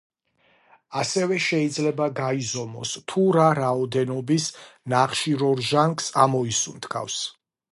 ასევე შეიძლება გაიზომოს, თუ რა რაოდენობის ნახშირორჟანგს ამოისუნთქავს.